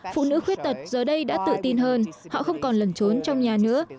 phụ nữ khuyết tật giờ đây đã tự tin hơn họ không còn lẩn trốn trong nhà nữa